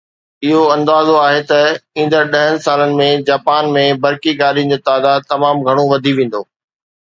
اهو اندازو آهي ته ايندڙ ڏهن سالن ۾ جاپان ۾ برقي گاڏين جو تعداد تمام گهڻو وڌي ويندو